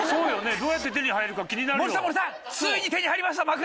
どうやって手に入るか気になるよ。